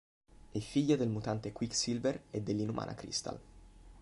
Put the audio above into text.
È figlia del mutante Quicksilver e dell'inumana Crystal.